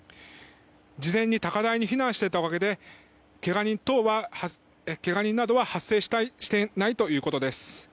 事前に高台に避難していたおかげでけが人などは発生していないということです。